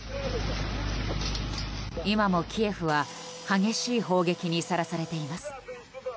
今もキエフは激しい砲撃にさらされています。